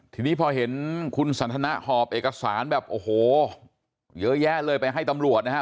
ทีนี้พอเห็นคุณสันทนาหอบเอกสารแบบโอ้โหเยอะแยะเลยไปให้ตำรวจนะครับ